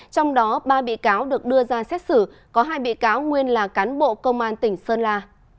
trong đó ba bị cáo được đưa ra xét xử có hai bị cáo nguyên là cán bộ công an tỉnh sơn la